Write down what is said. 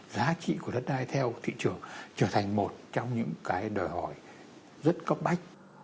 giá trị của đất đai theo thị trường trở thành một trong những cái đòi hỏi rất cấp bách